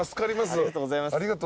ありがとうございます。